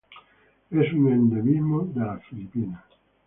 Es un endemismo de las Filipinas.